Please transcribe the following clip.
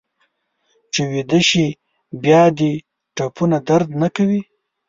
چې ویده شې بیا دې ټپونه درد نه کوي.